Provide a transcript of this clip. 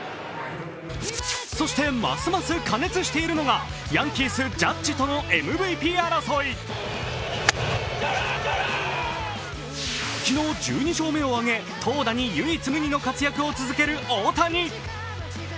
そしてますます加熱しているのがヤンキース・ジャッジとのＭＶＰ争い昨日１２勝目を挙げ投打に唯一無二の活躍を続ける大谷。